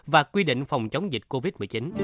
và quy định phòng chống dịch covid một mươi chín